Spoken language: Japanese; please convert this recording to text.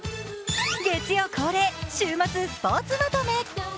月曜恒例、週末スポーツまとめ。